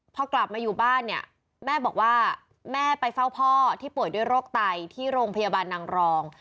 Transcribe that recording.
พอกลับมาอยู่บ้านเนี่ยแม่บอกว่าแม่ไปเฝ้าพ่อที่ป่วยด้วยโรคไตที่โรงพยาบาลนางรอง